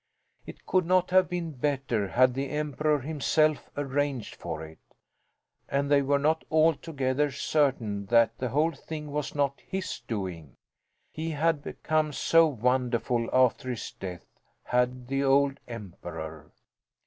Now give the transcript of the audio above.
It could not have been better had the Emperor himself arranged for it. And they were not altogether certain that the whole thing was not his doing. He had become so wonderful after his death, had the old Emperor.